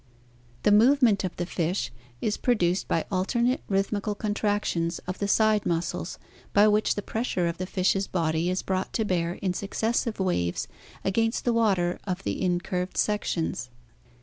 The move ment of the fish is produced by alternate rhythmical contractions of the side muscles, by whkh the pressure of the fish's body is brought to bear in successive waves against the water of the in curved sections.